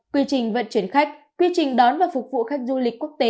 quy trình vận chuyển khách quy trình đón và phục vụ khách du lịch quốc tế